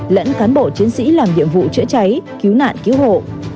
lẫn cán bộ chiến sĩ làm nhiệm vụ chữa cháy cứu nạn cứu hộ